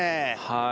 はい